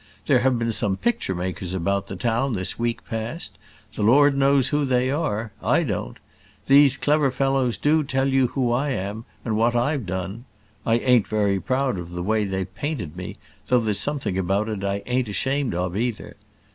There have been some picture makers about the town this week past. The Lord knows who they are; I don't. These clever fellows do tell you who I am, and what I've done. I ain't very proud of the way they've painted me, though there's something about it I ain't ashamed of either.